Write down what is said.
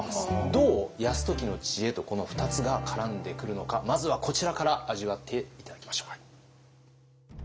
どう泰時の知恵とこの２つが絡んでくるのかまずはこちらから味わって頂きましょう。